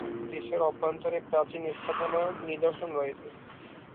দেশের অভ্যন্তরে প্রাচীন স্থাপনা নিদর্শন রয়েছে।